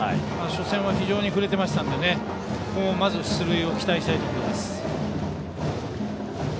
初戦は非常に振れてましたのでここもまず出塁を期待したいです。